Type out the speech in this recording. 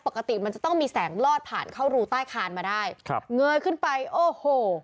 ปกติมันจะต้องมีแสงลอดผ่านเข้ารูใต้คานมาได้ครับเงยขึ้นไปโอ้โห